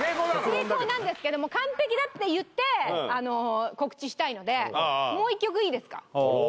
成功なんですけど完璧だって言って告知したいのでもう一曲いいですか？